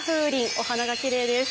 お花がきれいです。